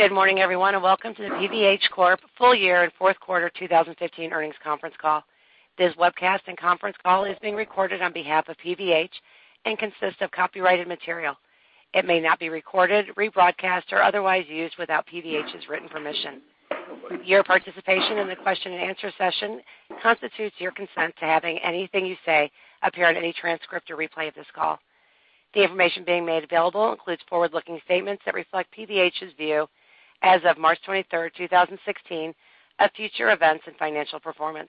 Good morning, everyone, and welcome to the PVH Corp full year and fourth quarter 2015 earnings conference call. This webcast and conference call is being recorded on behalf of PVH and consists of copyrighted material. It may not be recorded, rebroadcast, or otherwise used without PVH's written permission. Your participation in the question and answer session constitutes your consent to having anything you say appear in any transcript or replay of this call. The information being made available includes forward-looking statements that reflect PVH's view as of March 23rd, 2016, of future events and financial performance.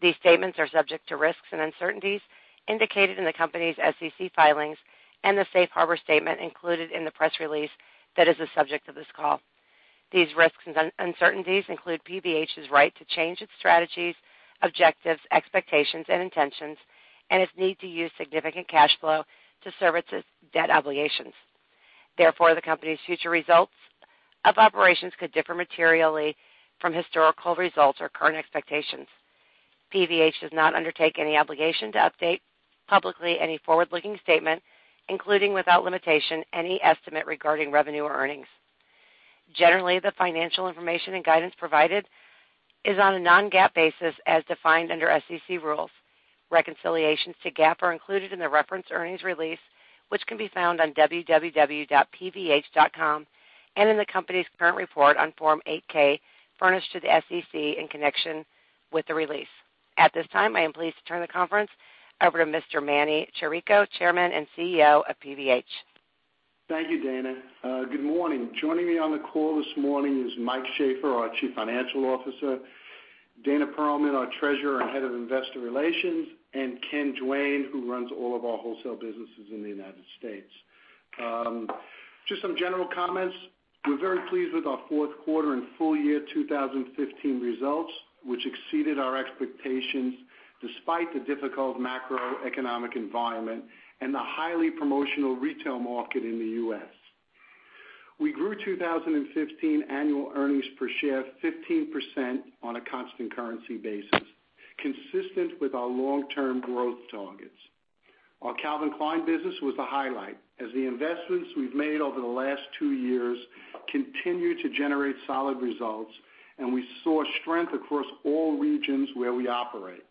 These statements are subject to risks and uncertainties indicated in the company's SEC filings and the safe harbor statement included in the press release that is the subject of this call. These risks and uncertainties include PVH's right to change its strategies, objectives, expectations, and intentions, and its need to use significant cash flow to service its debt obligations. The company's future results of operations could differ materially from historical results or current expectations. PVH does not undertake any obligation to update publicly any forward-looking statement, including, without limitation, any estimate regarding revenue or earnings. Generally, the financial information and guidance provided is on a non-GAAP basis as defined under SEC rules. Reconciliations to GAAP are included in the reference earnings release, which can be found on pvh.com and in the company's current report on Form 8-K furnished to the SEC in connection with the release. At this time, I am pleased to turn the conference over to Mr. Emanuel Chirico, Chairman and CEO of PVH. Thank you, Dana. Good morning. Joining me on the call this morning is Mike Schaffer, our Chief Financial Officer, Dana Perlman, our Treasurer and Head of Investor Relations, and Ken Duane, who runs all of our wholesale businesses in the United States. Just some general comments. We're very pleased with our fourth quarter and full year 2015 results, which exceeded our expectations despite the difficult macroeconomic environment and the highly promotional retail market in the U.S. We grew 2015 annual earnings per share 15% on a constant currency basis, consistent with our long-term growth targets. Our Calvin Klein business was the highlight, as the investments we've made over the last two years continue to generate solid results, and we saw strength across all regions where we operate.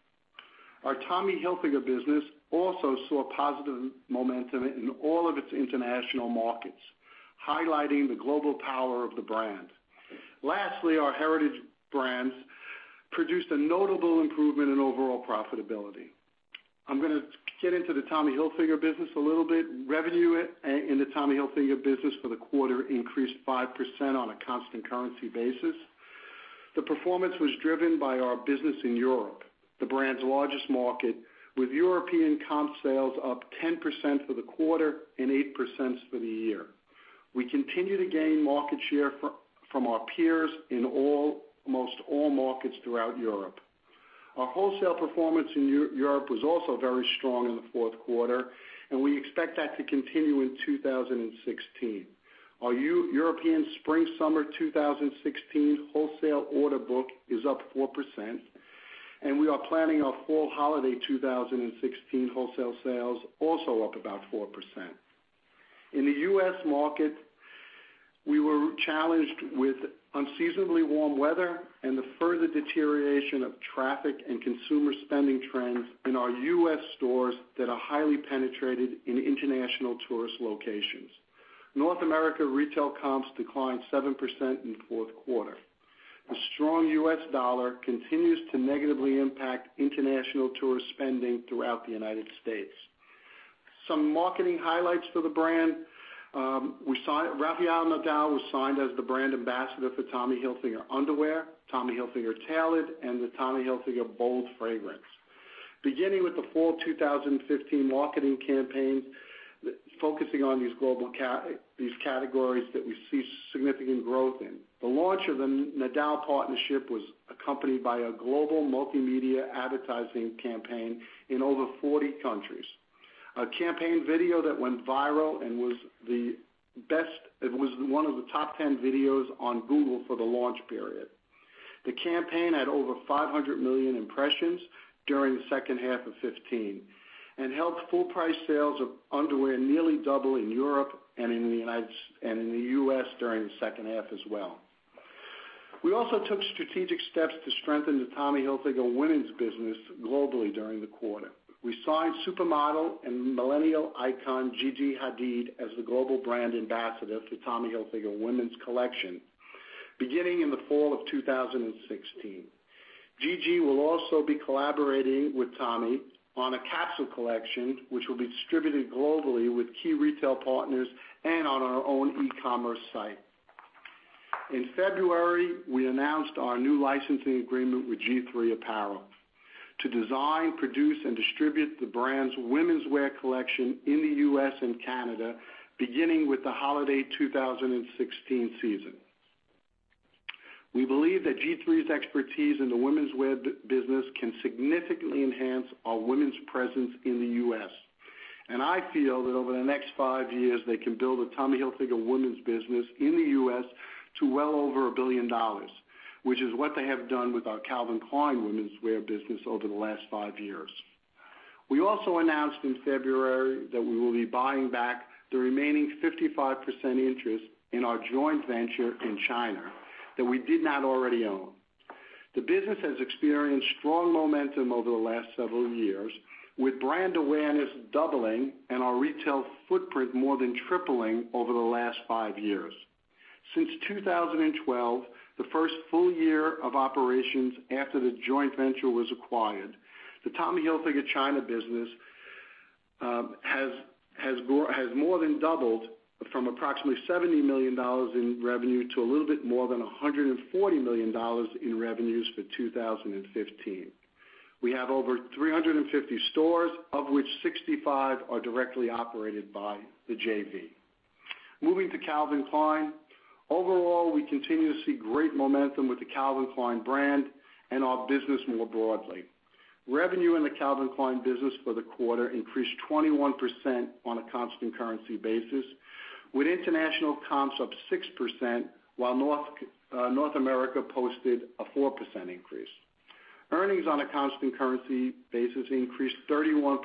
Our Tommy Hilfiger business also saw positive momentum in all of its international markets, highlighting the global power of the brand. Our heritage brands produced a notable improvement in overall profitability. I'm going to get into the Tommy Hilfiger business a little bit. Revenue in the Tommy Hilfiger business for the quarter increased 5% on a constant currency basis. The performance was driven by our business in Europe, the brand's largest market, with European comp sales up 10% for the quarter and 8% for the year. We continue to gain market share from our peers in almost all markets throughout Europe. Our wholesale performance in Europe was also very strong in the fourth quarter, and we expect that to continue in 2016. Our European spring/summer 2016 wholesale order book is up 4%, and we are planning our fall holiday 2016 wholesale sales also up about 4%. In the U.S. market, we were challenged with unseasonably warm weather and the further deterioration of traffic and consumer spending trends in our U.S. stores that are highly penetrated in international tourist locations. North America retail comps declined 7% in the fourth quarter. The strong U.S. dollar continues to negatively impact international tourist spending throughout the United States. Some marketing highlights for the brand. Rafael Nadal was signed as the brand ambassador for Tommy Hilfiger underwear, Tommy Hilfiger tailored, and the Tommy Hilfiger Bold fragrance. Beginning with the fall 2015 marketing campaign, focusing on these categories that we see significant growth in. The launch of the Nadal partnership was accompanied by a global multimedia advertising campaign in over 40 countries. A campaign video that went viral and was one of the top 10 videos on Google for the launch period. The campaign had over 500 million impressions during the second half of 2015 and helped full price sales of underwear nearly double in Europe and in the U.S. during the second half as well. We also took strategic steps to strengthen the Tommy Hilfiger women's business globally during the quarter. We signed supermodel and millennial icon Gigi Hadid as the global brand ambassador for Tommy Hilfiger women's collection beginning in the fall of 2016. Gigi will also be collaborating with Tommy on a capsule collection, which will be distributed globally with key retail partners and on our own e-commerce site. In February, we announced our new licensing agreement with G-III Apparel to design, produce, and distribute the brand's womenswear collection in the U.S. and Canada, beginning with the holiday 2016 season. We believe that G-III's expertise in the women's wear business can significantly enhance our women's presence in the U.S., and I feel that over the next five years, they can build a Tommy Hilfiger women's business in the U.S. to well over $1 billion, which is what they have done with our Calvin Klein womenswear business over the last five years. We also announced in February that we will be buying back the remaining 55% interest in our joint venture in China that we did not already own. The business has experienced strong momentum over the last several years, with brand awareness doubling and our retail footprint more than tripling over the last five years. Since 2012, the first full year of operations after the joint venture was acquired, the Tommy Hilfiger China business has more than doubled from approximately $70 million in revenue to a little bit more than $140 million in revenues for 2015. We have over 350 stores, of which 65 are directly operated by the JV. Moving to Calvin Klein. Overall, we continue to see great momentum with the Calvin Klein brand and our business more broadly. Revenue in the Calvin Klein business for the quarter increased 21% on a constant currency basis, with international comps up 6%, while North America posted a 4% increase. Earnings on a constant currency basis increased 31%,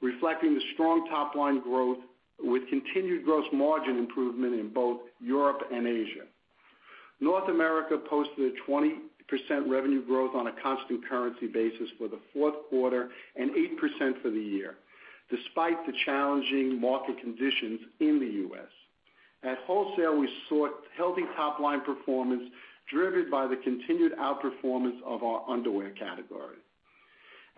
reflecting the strong top-line growth with continued gross margin improvement in both Europe and Asia. North America posted a 20% revenue growth on a constant currency basis for the fourth quarter and 8% for the year, despite the challenging market conditions in the U.S. At wholesale, we saw healthy top-line performance driven by the continued outperformance of our underwear category.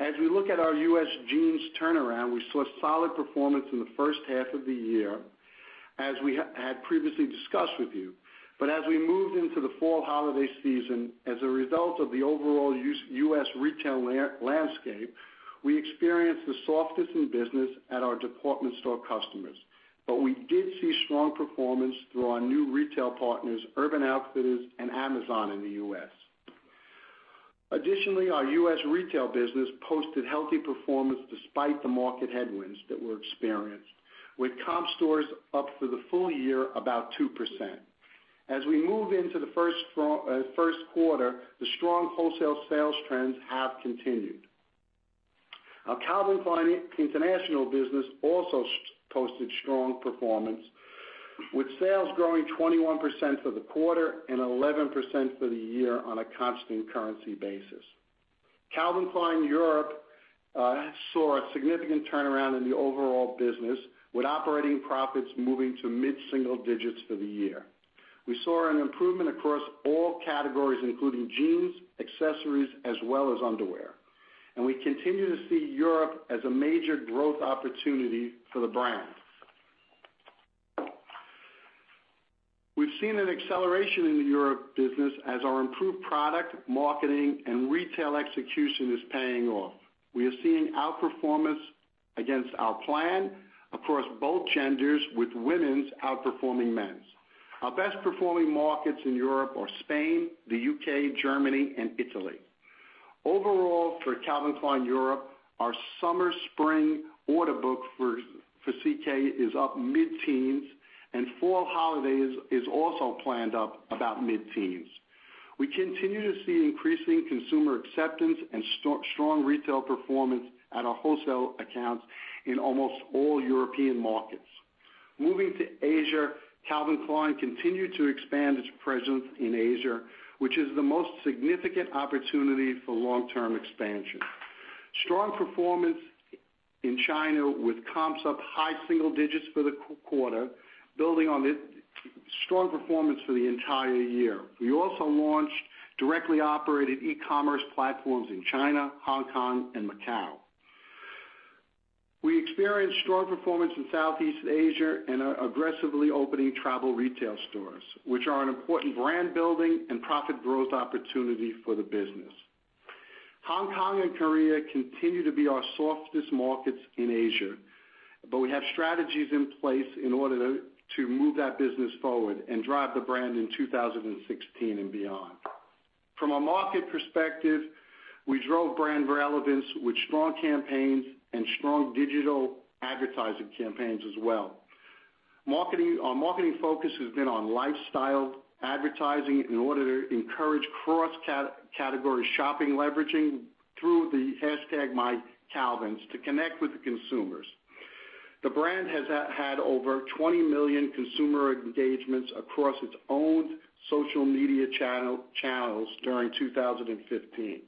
As we look at our U.S. jeans turnaround, we saw solid performance in the first half of the year as we had previously discussed with you. As we moved into the fall holiday season, as a result of the overall U.S. retail landscape, we experienced the softest in business at our department store customers. We did see strong performance through our new retail partners, Urban Outfitters and Amazon in the U.S. Additionally, our U.S. retail business posted healthy performance despite the market headwinds that were experienced, with comp stores up for the full year about 2%. As we move into the first quarter, the strong wholesale sales trends have continued. Our Calvin Klein International business also posted strong performance, with sales growing 21% for the quarter and 11% for the year on a constant currency basis. Calvin Klein Europe saw a significant turnaround in the overall business, with operating profits moving to mid-single digits for the year. We saw an improvement across all categories, including jeans, accessories, as well as underwear. We continue to see Europe as a major growth opportunity for the brand. We've seen an acceleration in the Europe business as our improved product, marketing, and retail execution is paying off. We are seeing outperformance against our plan across both genders, with women's outperforming men's. Our best-performing markets in Europe are Spain, the U.K., Germany, and Italy. Overall, for Calvin Klein Europe, our summer/spring order book for CK is up mid-teens. Fall holiday is also planned up about mid-teens. We continue to see increasing consumer acceptance and strong retail performance at our wholesale accounts in almost all European markets. Moving to Asia, Calvin Klein continued to expand its presence in Asia, which is the most significant opportunity for long-term expansion. Strong performance in China with comps up high single digits for the quarter, building on strong performance for the entire year. We also launched directly operated e-commerce platforms in China, Hong Kong, and Macau. We experienced strong performance in Southeast Asia and are aggressively opening travel retail stores, which are an important brand-building and profit growth opportunity for the business. Hong Kong and Korea continue to be our softest markets in Asia. We have strategies in place in order to move that business forward and drive the brand in 2016 and beyond. From a market perspective, we drove brand relevance with strong campaigns and strong digital advertising campaigns as well. Our marketing focus has been on lifestyle advertising in order to encourage cross-category shopping leveraging through the hashtag #mycalvins to connect with the consumers. The brand has had over 20 million consumer engagements across its own social media channels during 2015.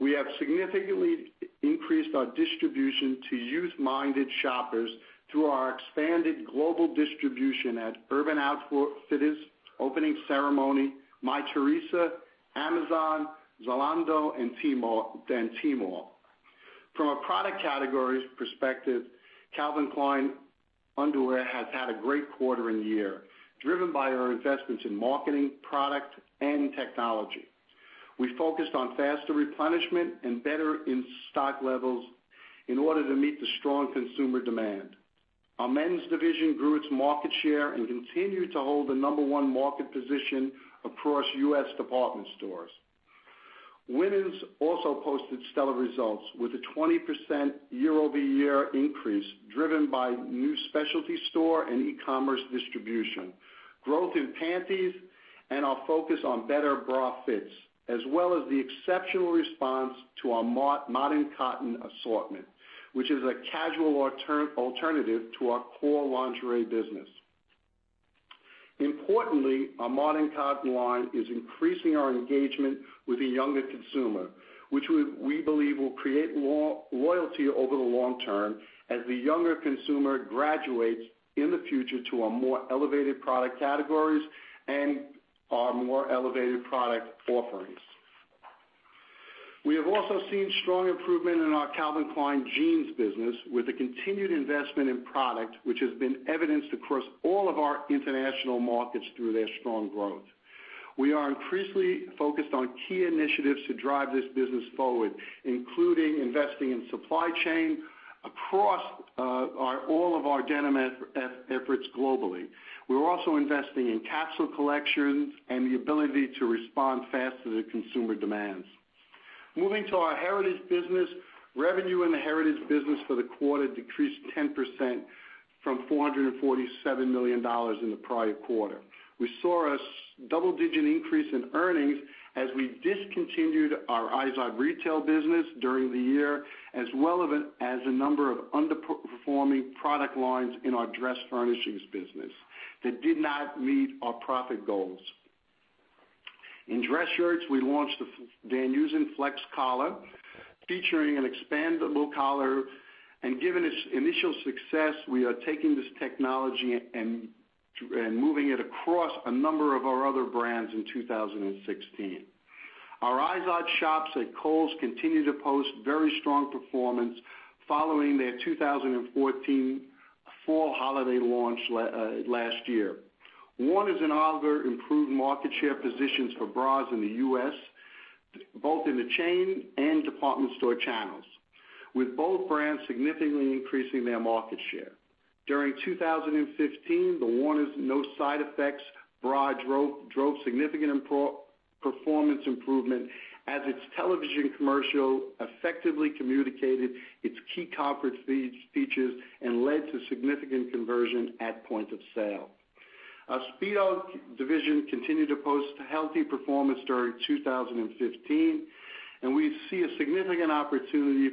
We have significantly increased our distribution to youth-minded shoppers through our expanded global distribution at Urban Outfitters, Opening Ceremony, Mytheresa, Amazon, Zalando, and Tmall. From a product categories perspective, Calvin Klein underwear has had a great quarter and year, driven by our investments in marketing, product, and technology. We focused on faster replenishment and better in-stock levels in order to meet the strong consumer demand. Our men's division grew its market share and continued to hold the number one market position across U.S. department stores. Women's also posted stellar results with a 20% year-over-year increase, driven by new specialty store and e-commerce distribution, growth in panties, and our focus on better bra fits, as well as the exceptional response to our Modern Cotton assortment, which is a casual alternative to our core lingerie business. Importantly, our Modern Cotton line is increasing our engagement with the younger consumer, which we believe will create loyalty over the long term as the younger consumer graduates in the future to our more elevated product categories and our more elevated product offerings. We have also seen strong improvement in our Calvin Klein Jeans business with the continued investment in product, which has been evidenced across all of our international markets through their strong growth. We are increasingly focused on key initiatives to drive this business forward, including investing in supply chain across all of our denim efforts globally. We're also investing in capsule collections and the ability to respond fast to the consumer demands. Moving to our Heritage business. Revenue in the Heritage business for the quarter decreased 10% from $447 million in the prior quarter. We saw a double-digit increase in earnings as we discontinued our Izod retail business during the year, as well as a number of underperforming product lines in our dress furnishings business that did not meet our profit goals. In dress shirts, we launched the Van Heusen Flex Collar, featuring an expandable collar, and given its initial success, we are taking this technology and moving it across a number of our other brands in 2016. Our Izod shops at Kohl's continue to post very strong performance following their 2014 fall holiday launch last year. Warner's and Olga improved market share positions for bras in the U.S., both in the chain and department store channels, with both brands significantly increasing their market share. During 2015, the Warner's No Side Effects bra drove significant performance improvement as its television commercial effectively communicated its key comfort features and led to significant conversion at point of sale. Our Speedo division continued to post healthy performance during 2015, and we see a significant opportunity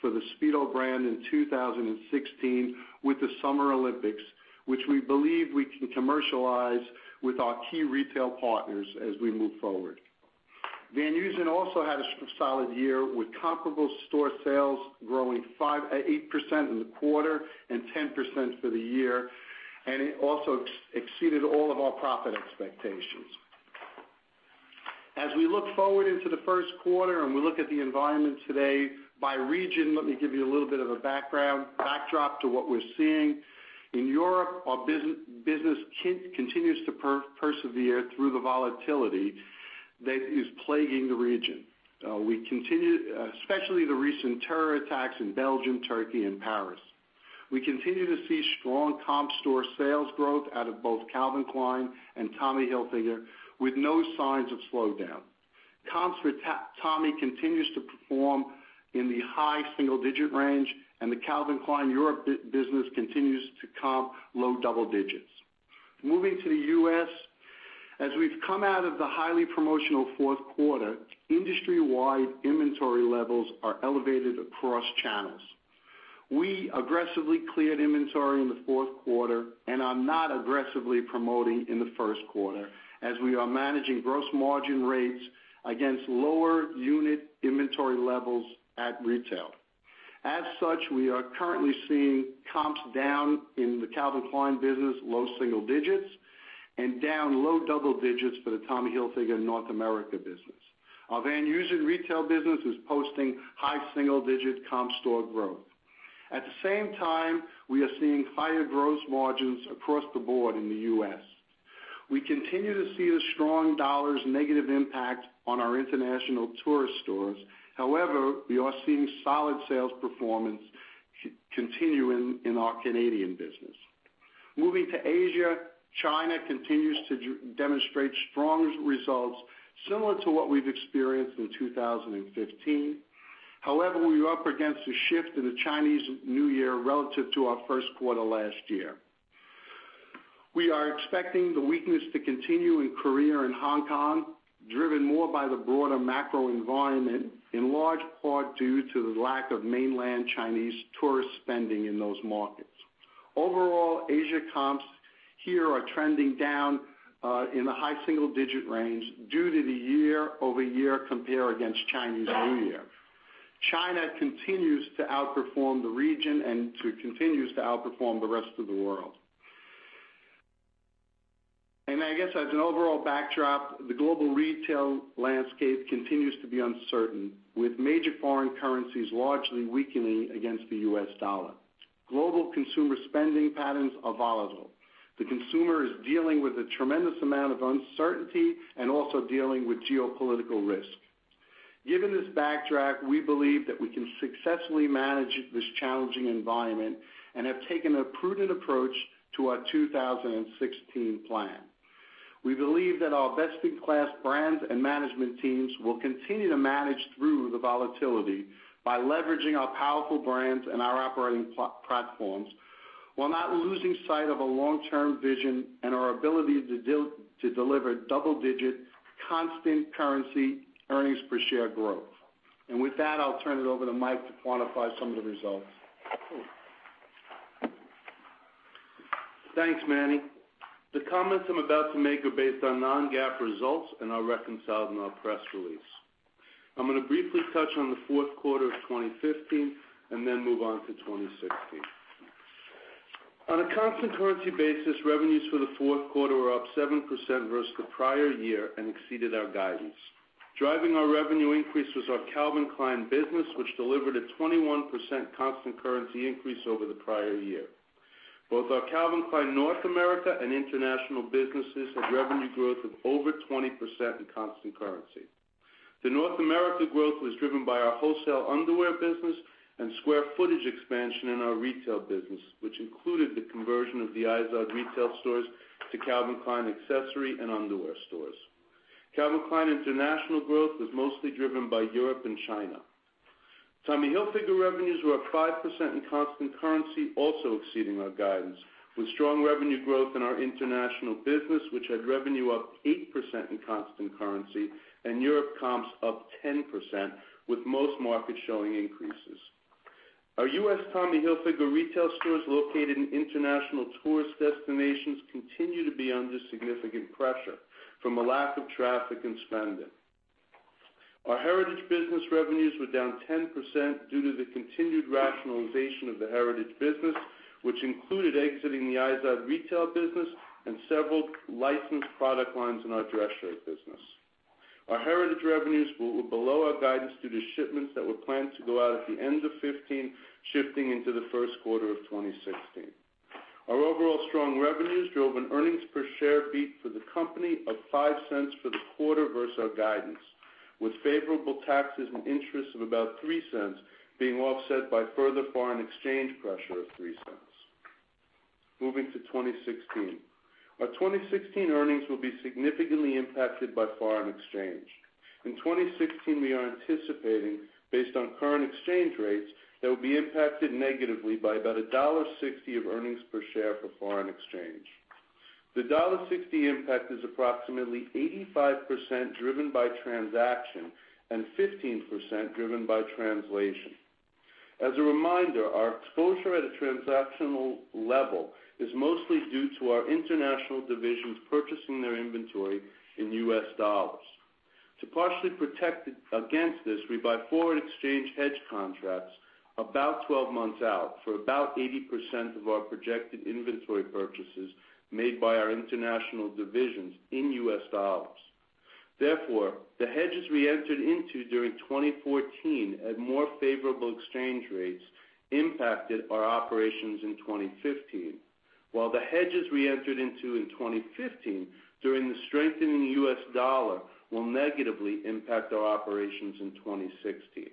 for the Speedo brand in 2016 with the Summer Olympics, which we believe we can commercialize with our key retail partners as we move forward. Van Heusen also had a solid year with comparable store sales growing 8% in the quarter and 10% for the year, and it also exceeded all of our profit expectations. As we look forward into the first quarter and we look at the environment today by region, let me give you a little bit of a backdrop to what we're seeing. In Europe, our business continues to persevere through the volatility that is plaguing the region, especially the recent terror attacks in Belgium, Turkey, and Paris. We continue to see strong comp store sales growth out of both Calvin Klein and Tommy Hilfiger with no signs of slowdown. Comps for Tommy continues to perform in the high single-digit range. The Calvin Klein Europe business continues to comp low double digits. Moving to the U.S., as we've come out of the highly promotional fourth quarter, industry-wide inventory levels are elevated across channels. We aggressively cleared inventory in the fourth quarter and are not aggressively promoting in the first quarter, as we are managing gross margin rates against lower unit inventory levels at retail. As such, we are currently seeing comps down in the Calvin Klein business, low single digits, and down low double digits for the Tommy Hilfiger North America business. Our Van Heusen retail business is posting high single-digit comp store growth. At the same time, we are seeing higher gross margins across the board in the U.S. We continue to see the strong dollar's negative impact on our international tourist stores. We are seeing solid sales performance continue in our Canadian business. Moving to Asia, China continues to demonstrate strong results similar to what we've experienced in 2015. However, we are up against a shift in the Chinese New Year relative to our first quarter last year. We are expecting the weakness to continue in Korea and Hong Kong, driven more by the broader macro environment, in large part due to the lack of mainland Chinese tourist spending in those markets. Overall, Asia comps here are trending down in the high single-digit range due to the year-over-year compare against Chinese New Year. China continues to outperform the region and continues to outperform the rest of the world. I guess as an overall backdrop, the global retail landscape continues to be uncertain, with major foreign currencies largely weakening against the U.S. dollar. Global consumer spending patterns are volatile. The consumer is dealing with a tremendous amount of uncertainty and also dealing with geopolitical risk. Given this backdrop, we believe that we can successfully manage this challenging environment and have taken a prudent approach to our 2016 plan. We believe that our best-in-class brands and management teams will continue to manage through the volatility by leveraging our powerful brands and our operating platforms while not losing sight of a long-term vision and our ability to deliver double-digit constant currency earnings per share growth. With that, I'll turn it over to Mike to quantify some of the results. Thanks, Manny. The comments I'm about to make are based on non-GAAP results and are reconciled in our press release. I'm going to briefly touch on the fourth quarter of 2015. Then move on to 2016. On a constant currency basis, revenues for the fourth quarter were up 7% versus the prior year and exceeded our guidance. Driving our revenue increase was our Calvin Klein business, which delivered a 21% constant currency increase over the prior year. Both our Calvin Klein North America and international businesses had revenue growth of over 20% in constant currency. The North America growth was driven by our wholesale underwear business and square footage expansion in our retail business, which included the conversion of the Izod retail stores to Calvin Klein accessory and underwear stores. Calvin Klein international growth was mostly driven by Europe and China. Tommy Hilfiger revenues were up 5% in constant currency, also exceeding our guidance, with strong revenue growth in our international business, which had revenue up 8% in constant currency, and Europe comps up 10%, with most markets showing increases. Our U.S. Tommy Hilfiger retail stores located in international tourist destinations continue to be under significant pressure from a lack of traffic and spending. Our Heritage business revenues were down 10% due to the continued rationalization of the Heritage business, which included exiting the Izod retail business and several licensed product lines in our dress shirt business. Our Heritage revenues were below our guidance due to shipments that were planned to go out at the end of 2015, shifting into the first quarter of 2016. Our overall strong revenues drove an earnings per share beat for the company of $0.05 for the quarter versus our guidance, with favorable taxes and interest of about $0.03 being offset by further foreign exchange pressure of $0.03. 2016. Our 2016 earnings will be significantly impacted by foreign exchange. In 2016, we are anticipating, based on current exchange rates, that we'll be impacted negatively by about $1.60 of earnings per share for foreign exchange. The $1.60 impact is approximately 85% driven by transaction and 15% driven by translation. As a reminder, our exposure at a transactional level is mostly due to our international divisions purchasing their inventory in U.S. dollars. To partially protect against this, we buy foreign exchange hedge contracts about 12 months out for about 80% of our projected inventory purchases made by our international divisions in U.S. dollars. The hedges we entered into during 2014 at more favorable exchange rates impacted our operations in 2015. While the hedges we entered into in 2015 during the strengthening U.S. dollar will negatively impact our operations in 2016.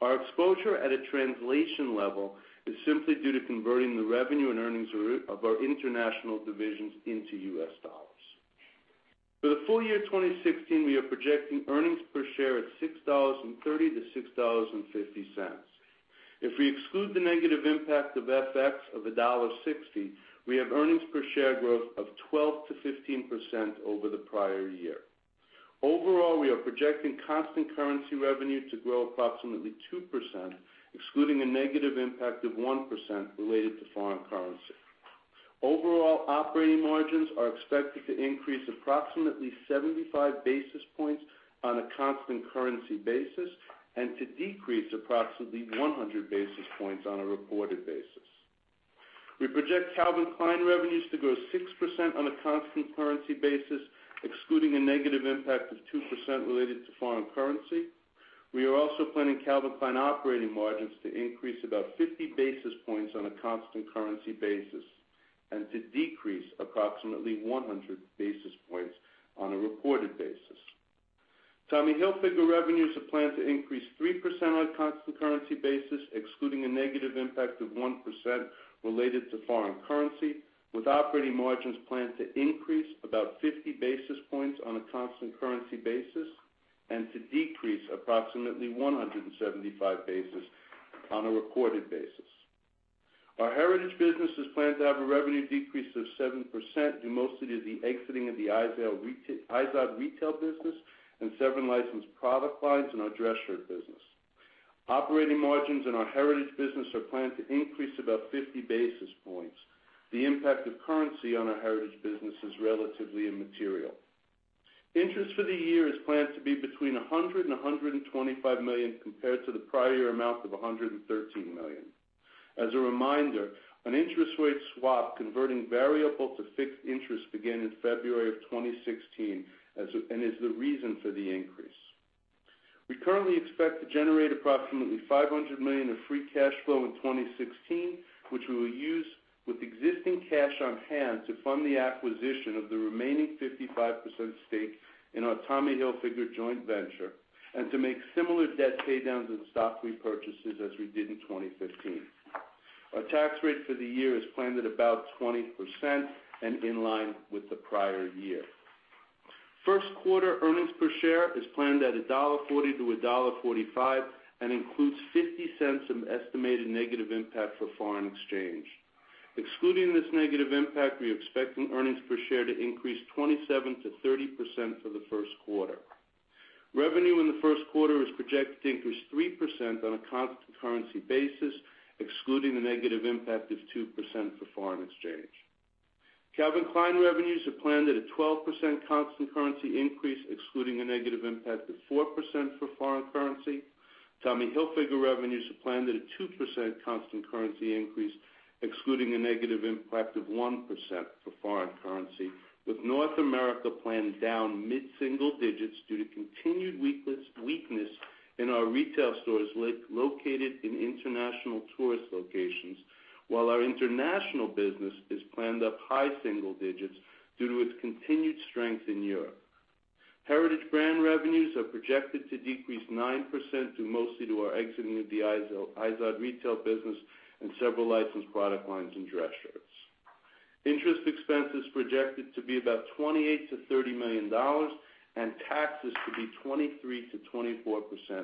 Our exposure at a translation level is simply due to converting the revenue and earnings of our international divisions into U.S. dollars. For the full year 2016, we are projecting earnings per share at $6.30-$6.50. If we exclude the negative impact of FX of $1.60, we have earnings per share growth of 12%-15% over the prior year. Overall, we are projecting constant currency revenue to grow approximately 2%, excluding a negative impact of 1% related to foreign currency. Overall operating margins are expected to increase approximately 75 basis points on a constant currency basis and to decrease approximately 100 basis points on a reported basis. We project Calvin Klein revenues to grow 6% on a constant currency basis, excluding a negative impact of 2% related to foreign currency. We are also planning Calvin Klein operating margins to increase about 50 basis points on a constant currency basis and to decrease approximately 100 basis points on a reported basis. Tommy Hilfiger revenues are planned to increase 3% on a constant currency basis, excluding a negative impact of 1% related to foreign currency, with operating margins planned to increase about 50 basis points on a constant currency basis and to decrease approximately 175 basis points on a reported basis. Our Heritage business is planned to have a revenue decrease of 7%, due mostly to the exiting of the Izod retail business and several licensed product lines in our dress shirt business. Operating margins in our Heritage business are planned to increase about 50 basis points. The impact of currency on our Heritage Brands business is relatively immaterial. Interest for the year is planned to be between $100 million and $125 million, compared to the prior year amount of $113 million. As a reminder, an interest rate swap converting variable to fixed interest began in February of 2016, and is the reason for the increase. We currently expect to generate approximately $500 million of free cash flow in 2016, which we will use with existing cash on hand to fund the acquisition of the remaining 55% stake in our Tommy Hilfiger joint venture and to make similar debt paydowns and stock repurchases as we did in 2015. Our tax rate for the year is planned at about 20% and in line with the prior year. First quarter earnings per share is planned at $1.40-$1.45 and includes $0.50 in estimated negative impact for foreign exchange. Excluding this negative impact, we are expecting earnings per share to increase 27%-30% for the first quarter. Revenue in the first quarter is projected to increase 3% on a constant currency basis, excluding the negative impact of 2% for foreign exchange. Calvin Klein revenues are planned at a 12% constant currency increase, excluding a negative impact of 4% for foreign currency. Tommy Hilfiger revenues are planned at a 2% constant currency increase, excluding a negative impact of 1% for foreign currency, with North America planned down mid-single digits due to continued weakness in our retail stores located in international tourist locations. While our international business is planned up high single digits due to its continued strength in Europe. Heritage Brands revenues are projected to decrease 9%, mostly due to our exiting of the Izod retail business and several licensed product lines in dress shirts. Interest expense is projected to be about $28 million-$30 million, and taxes to be 23%-24%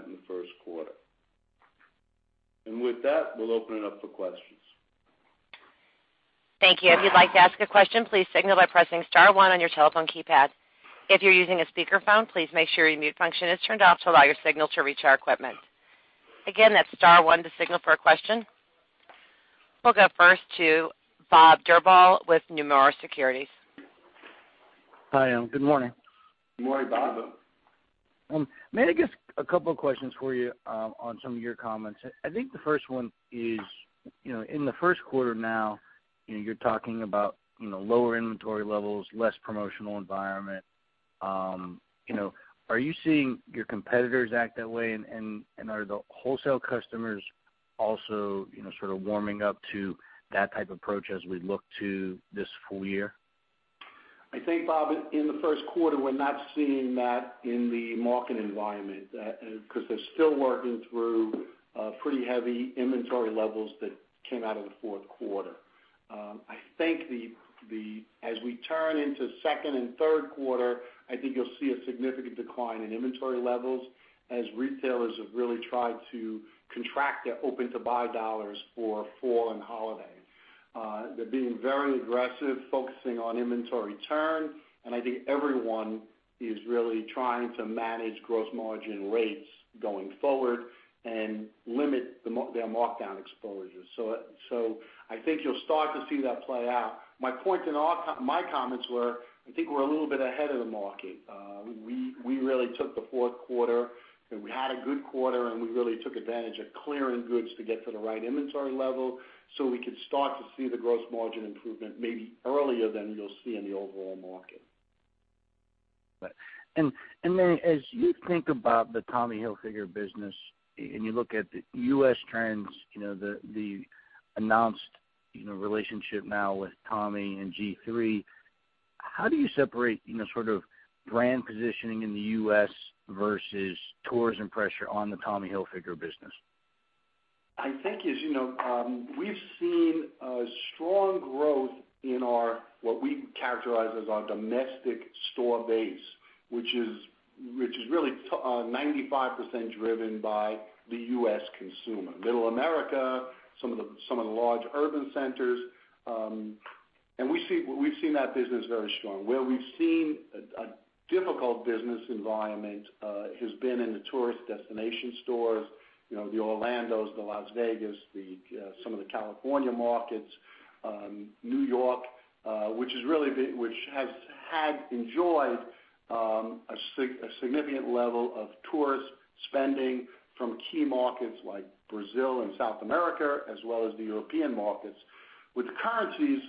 in the first quarter. With that, we'll open it up for questions. Thank you. If you'd like to ask a question, please signal by pressing star one on your telephone keypad. If you're using a speakerphone, please make sure your mute function is turned off to allow your signal to reach our equipment. Again, that's star one to signal for a question. We'll go first to Bob Drbul with Nomura Securities. Hi, good morning. Good morning, Bob. Manny, just a couple of questions for you on some of your comments. I think the first one is, in the first quarter now, you're talking about lower inventory levels, less promotional environment. Are you seeing your competitors act that way? Are the wholesale customers also sort of warming up to that type approach as we look to this full year? I think, Bob, in the first quarter, we're not seeing that in the market environment because they're still working through pretty heavy inventory levels that came out of the fourth quarter. I think as we turn into second and third quarter, I think you'll see a significant decline in inventory levels as retailers have really tried to contract their open-to-buy dollars for fall holiday. They're being very aggressive, focusing on inventory turn, and I think everyone is really trying to manage gross margin rates going forward and limit their markdown exposure. I think you'll start to see that play out. My point in my comments were, I think we're a little bit ahead of the market. We really took the fourth quarter, and we had a good quarter, and we really took advantage of clearing goods to get to the right inventory level so we could start to see the gross margin improvement maybe earlier than you'll see in the overall market. Right. Manny, as you think about the Tommy Hilfiger business and you look at the U.S. trends, the announced relationship now with Tommy and G-III, how do you separate brand positioning in the U.S. versus tourism pressure on the Tommy Hilfiger business? I think, as you know, we've seen a strong growth in our, what we characterize as our domestic store base, which is really 95% driven by the U.S. consumer. Middle America, some of the large urban centers, and we've seen that business very strong. Where we've seen a difficult business environment has been in the tourist destination stores, the Orlandos, the Las Vegas, some of the California markets, New York which has enjoyed a significant level of tourist spending from key markets like Brazil and South America, as well as the European markets. With currencies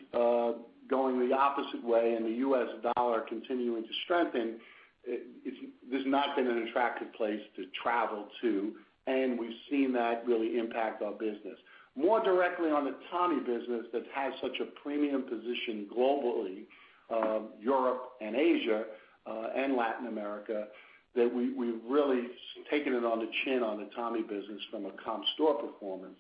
going the opposite way and the U.S. dollar continuing to strengthen, this has not been an attractive place to travel to, and we've seen that really impact our business. More directly on the Tommy business that has such a premium position globally, Europe, Asia, and Latin America, that we've really taken it on the chin on the Tommy business from a comp store performance.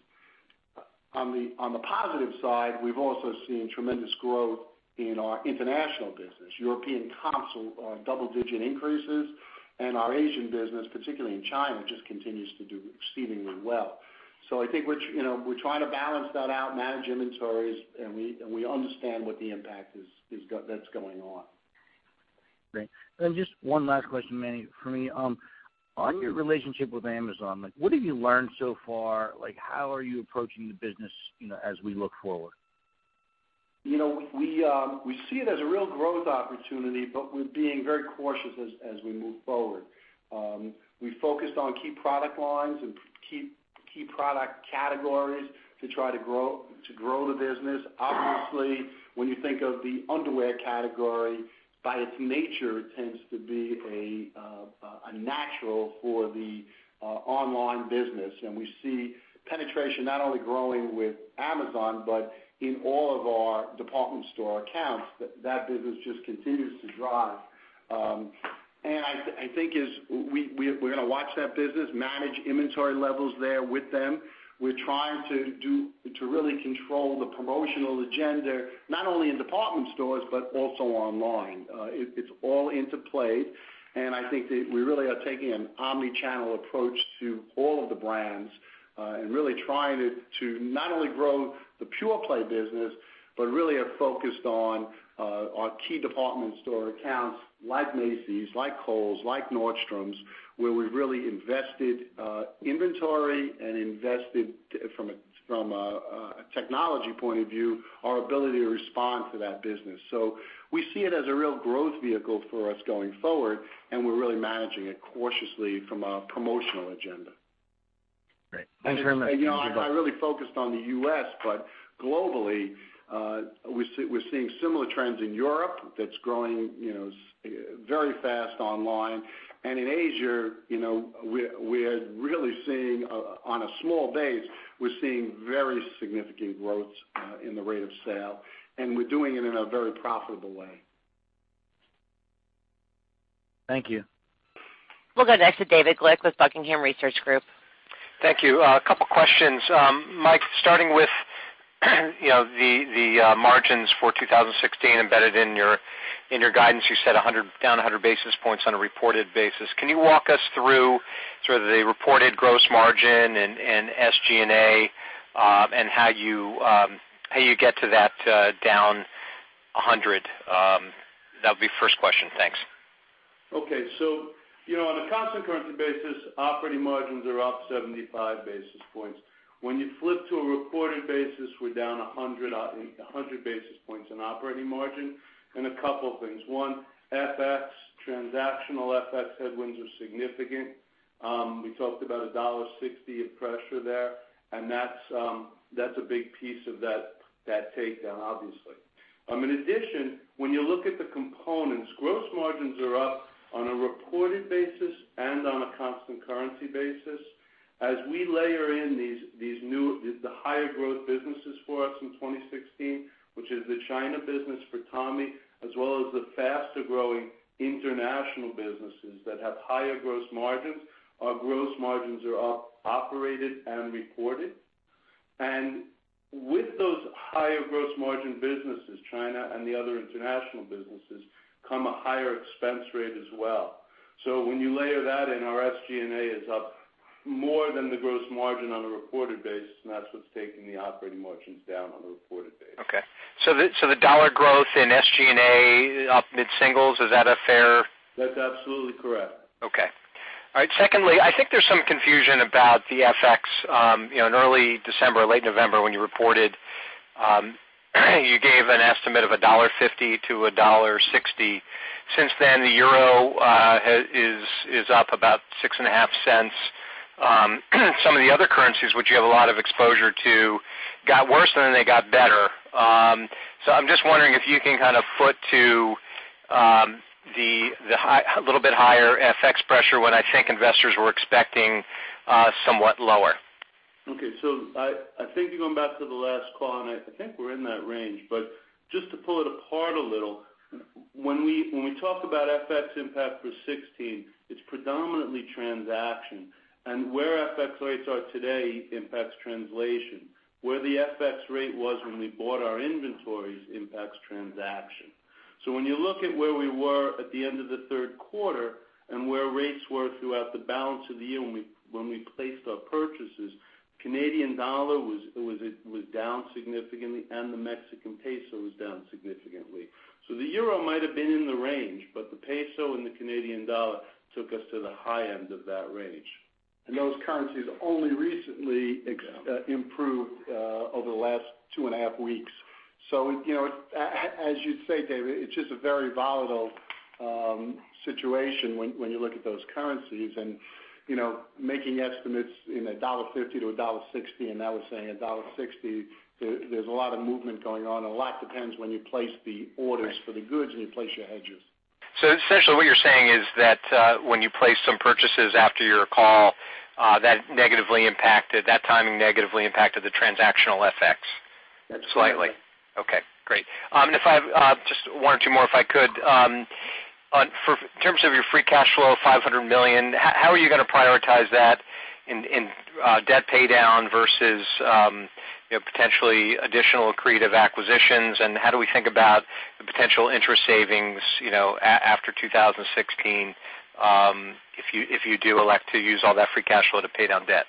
On the positive side, we've also seen tremendous growth in our international business. European comps are double-digit increases, and our Asian business, particularly in China, just continues to do exceedingly well. I think we're trying to balance that out, manage inventories, and we understand what the impact is that's going on. Great. Just one last question, Manny, for me. On your relationship with Amazon, what have you learned so far? How are you approaching the business as we look forward? We see it as a real growth opportunity, we're being very cautious as we move forward. We focused on key product lines and key product categories to try to grow the business. Obviously, when you think of the underwear category, by its nature, it tends to be a natural for the online business. We see penetration not only growing with Amazon, but in all of our department store accounts. That business just continues to drive. I think we're going to watch that business, manage inventory levels there with them. We're trying to really control the promotional agenda, not only in department stores, but also online. It's all into play, I think that we really are taking an omnichannel approach to all of the brands Really trying to not only grow the pure play business, but really are focused on our key department store accounts like Macy's, like Kohl's, like Nordstrom, where we've really invested inventory and invested from a technology point of view, our ability to respond to that business. We see it as a real growth vehicle for us going forward, we're really managing it cautiously from a promotional agenda. Great. Thanks very much. I really focused on the U.S., but globally, we're seeing similar trends in Europe that's growing very fast online. In Asia, we're really seeing, on a small base, we're seeing very significant growth in the rate of sale, and we're doing it in a very profitable way. Thank you. We'll go next to David Glick with Buckingham Research Group. Thank you. A couple questions. Mike, starting with the margins for 2016 embedded in your guidance. You said down 100 basis points on a reported basis. Can you walk us through the reported gross margin and SG&A, and how you get to that down 100? That'll be first question. Thanks. Okay. On a constant currency basis, operating margins are up 75 basis points. When you flip to a reported basis, we're down 100 basis points in operating margin and a couple things. One, FX, transactional FX headwinds are significant. We talked about $1.60 of pressure there, and that's a big piece of that takedown, obviously. In addition, when you look at the components, gross margins are up on a reported basis and on a constant currency basis. As we layer in the higher growth businesses for us in 2016, which is the China business for Tommy, as well as the faster-growing international businesses that have higher gross margins, our gross margins are up, operated and reported. With those higher gross margin businesses, China and the other international businesses, come a higher expense rate as well. When you layer that in, our SG&A is up more than the gross margin on a reported basis. That's what's taking the operating margins down on a reported basis. Okay. The dollar growth in SG&A up mid-singles, is that a fair- That's absolutely correct. Okay. All right. Secondly, I think there's some confusion about the FX. In early December or late November when you reported, you gave an estimate of $1.50 to $1.60. Since then, the euro is up about $0.065. Some of the other currencies which you have a lot of exposure to, got worse than they got better. I'm just wondering if you can put to the little bit higher FX pressure when I think investors were expecting somewhat lower. Okay. I think you're going back to the last call, and I think we're in that range. Just to pull it apart a little, when we talk about FX impact for 2016, it's predominantly transaction. Where FX rates are today impacts translation. Where the FX rate was when we bought our inventories impacts transaction. When you look at where we were at the end of the third quarter and where rates were throughout the balance of the year when we placed our purchases, Canadian dollar was down significantly, and the Mexican peso was down significantly. The euro might have been in the range, but the peso and the Canadian dollar took us to the high end of that range. Those currencies only recently improved over the last two and a half weeks. As you say, David, it's just a very volatile situation when you look at those currencies, and making estimates in a $1.50 to $1.60, and now we're saying $1.60, there's a lot of movement going on. A lot depends when you place the orders for the goods and you place your hedges. Essentially what you're saying is that when you place some purchases after your call, that timing negatively impacted the transactional FX slightly? Absolutely. Okay, great. Just one or two more, if I could. In terms of your free cash flow of $500 million, how are you going to prioritize that in debt paydown versus potentially additional accretive acquisitions? How do we think about the potential interest savings after 2016, if you do elect to use all that free cash flow to pay down debt?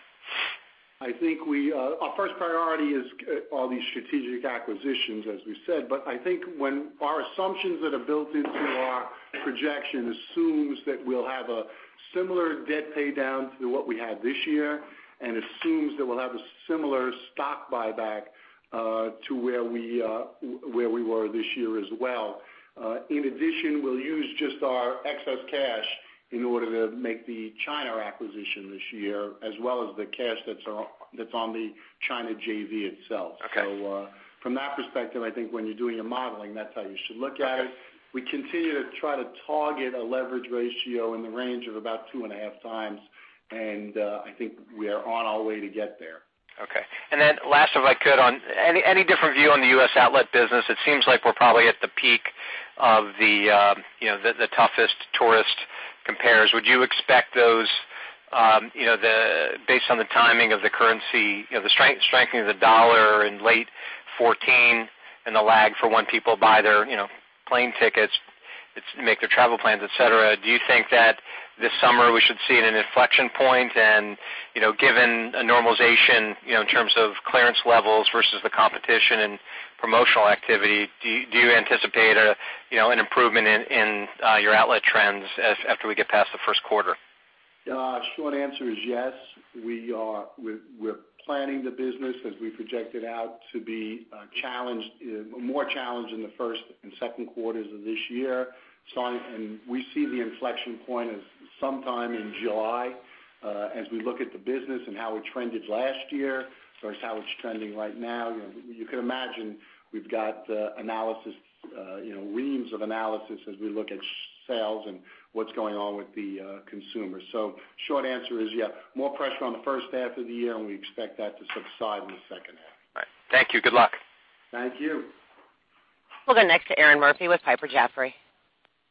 I think our first priority is all these strategic acquisitions, as we said. I think when our assumptions that are built into our projection assumes that we'll have a similar debt paydown to what we had this year, and assumes that we'll have a similar stock buyback to where we were this year as well. In addition, we'll use just our excess cash in order to make the China acquisition this year, as well as the cash that's on the China JV itself. Okay. From that perspective, I think when you're doing your modeling, that's how you should look at it. We continue to try to target a leverage ratio in the range of about two and a half times, and I think we are on our way to get there. Okay. Last, if I could. Any different view on the U.S. outlet business? It seems like we're probably at the peak of the toughest tourist compares. Would you expect those, based on the timing of the currency, the strengthening of the dollar in late 2014 and the lag for when people buy their plane tickets make their travel plans, et cetera. Do you think that this summer we should see an inflection point? Given a normalization in terms of clearance levels versus the competition and promotional activity, do you anticipate an improvement in your outlet trends after we get past the first quarter? Gosh, short answer is yes. We're planning the business as we project it out to be more challenged in the first and second quarters of this year. We see the inflection point as sometime in July, as we look at the business and how it trended last year versus how it's trending right now. You can imagine we've got reams of analysis as we look at sales and what's going on with the consumer. Short answer is, yeah, more pressure on the first half of the year, and we expect that to subside in the second half. All right. Thank you. Good luck. Thank you. We'll go next to Erinn Murphy with Piper Jaffray.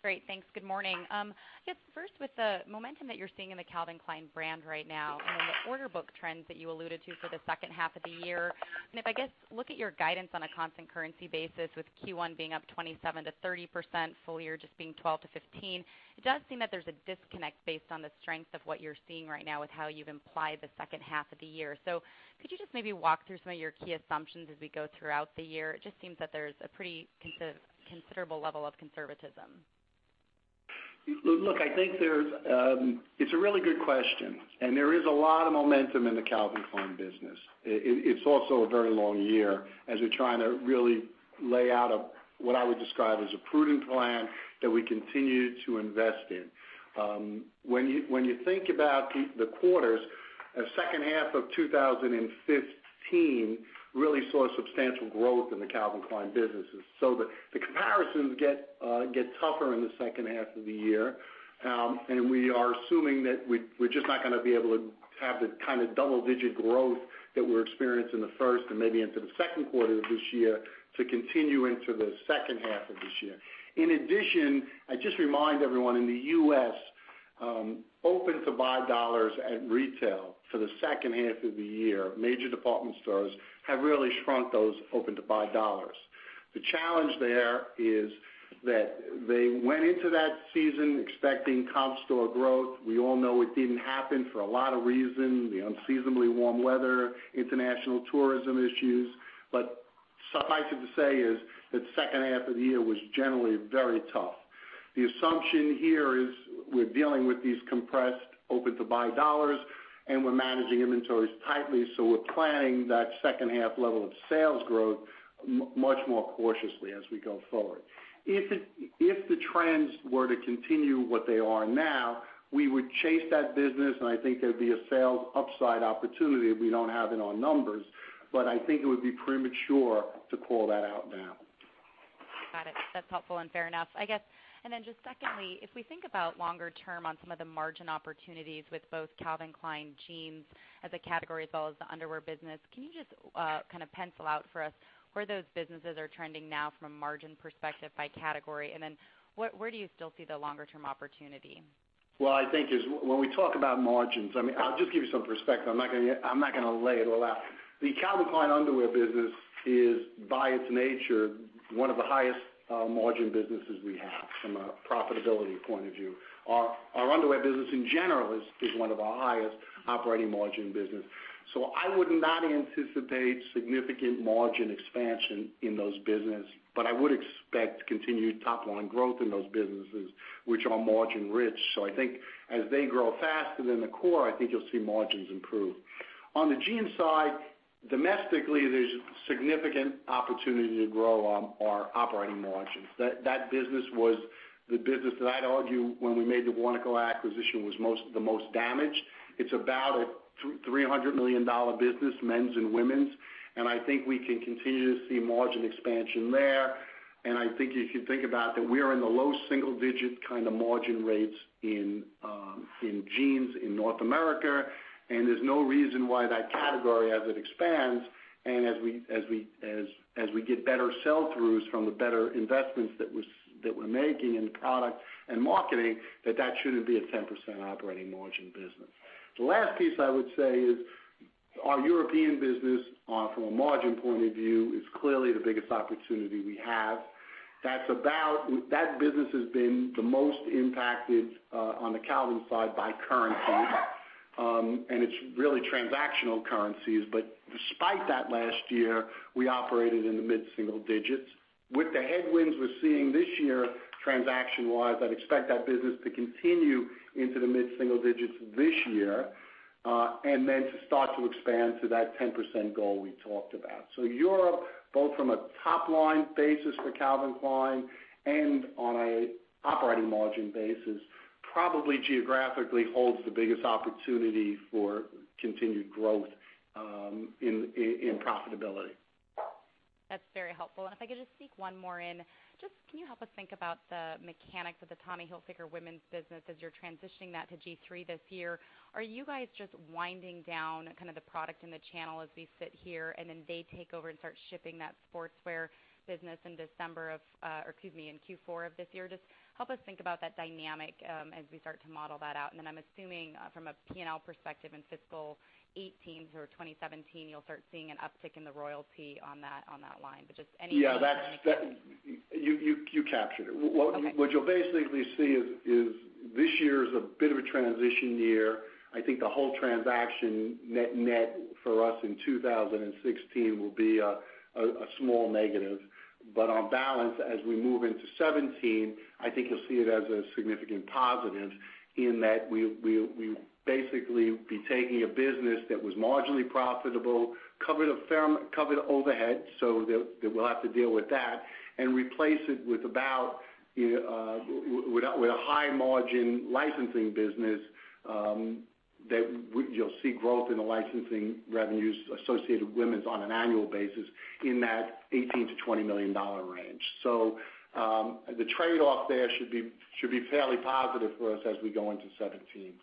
Great. Thanks. Good morning. I guess first with the momentum that you're seeing in the Calvin Klein brand right now, then the order book trends that you alluded to for the second half of the year. If I guess, look at your guidance on a constant currency basis with Q1 being up 27%-30%, full year just being 12%-15%, it does seem that there's a disconnect based on the strength of what you're seeing right now with how you've implied the second half of the year. Could you just maybe walk through some of your key assumptions as we go throughout the year? It just seems that there's a pretty considerable level of conservatism. Look, it's a really good question, there is a lot of momentum in the Calvin Klein business. It's also a very long year as we're trying to really lay out what I would describe as a prudent plan that we continue to invest in. When you think about the quarters, the second half of 2015 really saw substantial growth in the Calvin Klein businesses. The comparisons get tougher in the second half of the year. We are assuming that we're just not going to be able to have the kind of double-digit growth that we're experienced in the first and maybe into the second quarter of this year to continue into the second half of this year. In addition, I'd just remind everyone in the U.S., open-to-buy dollars at retail for the second half of the year, major department stores have really shrunk those open-to-buy dollars. The challenge there is that they went into that season expecting comp store growth. We all know it didn't happen for a lot of reasons, the unseasonably warm weather, international tourism issues. Suffice to say is the second half of the year was generally very tough. The assumption here is we're dealing with these compressed open-to-buy dollars, we're managing inventories tightly, we're planning that second half level of sales growth much more cautiously as we go forward. If the trends were to continue what they are now, we would chase that business, I think there'd be a sales upside opportunity that we don't have in our numbers, I think it would be premature to call that out now. Got it. That's helpful and fair enough. I guess, just secondly, if we think about longer term on some of the margin opportunities with both Calvin Klein Jeans as a category as well as the underwear business, can you just kind of pencil out for us where those businesses are trending now from a margin perspective by category, where do you still see the longer term opportunity? Well, I think when we talk about margins, I'll just give you some perspective. I'm not going to lay it all out. The Calvin Klein underwear business is, by its nature, one of the highest margin businesses we have from a profitability point of view. Our underwear business in general is one of our highest operating margin business. I would not anticipate significant margin expansion in those business, but I would expect continued top-line growth in those businesses, which are margin rich. I think as they grow faster than the core, I think you'll see margins improve. On the jeans side, domestically, there's significant opportunity to grow on our operating margins. That business was the business that I'd argue when we made the Warnaco acquisition was the most damaged. It's about a $300 million business, men's and women's, I think we can continue to see margin expansion there. I think if you think about that we are in the low single digit kind of margin rates in jeans in North America, there's no reason why that category, as it expands and as we get better sell-throughs from the better investments that we're making in product and marketing, that that shouldn't be a 10% operating margin business. The last piece I would say is our European business from a margin point of view is clearly the biggest opportunity we have. That business has been the most impacted on the Calvin side by currency, and it's really transactional currencies. Despite that last year, we operated in the mid-single digits. With the headwinds we're seeing this year, transaction-wise, I'd expect that business to continue into the mid-single digits this year, then to start to expand to that 10% goal we talked about. Europe, both from a top-line basis for Calvin Klein and on a operating margin basis, probably geographically holds the biggest opportunity for continued growth in profitability. That's very helpful. If I could just sneak one more in, just can you help us think about the mechanics of the Tommy Hilfiger women's business as you're transitioning that to G-III this year? Are you guys just winding down kind of the product in the channel as we sit here, then they take over and start shipping that sportswear business in Q4 of this year? Just help us think about that dynamic as we start to model that out. Then I'm assuming from a P&L perspective in fiscal 2018 through 2017, you'll start seeing an uptick in the royalty on that one. Yeah. You captured it. Okay. What you'll basically see is this year is a bit of a transition year. I think the whole transaction net for us in 2016 will be a small negative. On balance, as we move into 2017, I think you'll see it as a significant positive in that we'll basically be taking a business that was marginally profitable, covered overhead, so we'll have to deal with that, and replace it with a high-margin licensing business, that you'll see growth in the licensing revenues associated with women's on an annual basis in that $18 million-$20 million range. The trade-off there should be fairly positive for us as we go into 2017.